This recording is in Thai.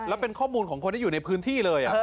แล้วเป็นข้อมูลของคนที่อยู่ในพื้นที่เลย